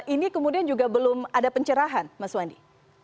ini kemudian juga belum ada pencerahan mas wandi